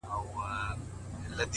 د رڼا گانو د لاس ور مات كړی.!